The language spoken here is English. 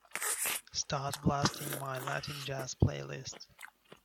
Start blasting my Latin Jazz playlist.